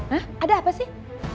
hah ada apa sih